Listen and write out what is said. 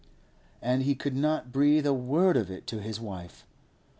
And he could not breathe a word of it to his wife.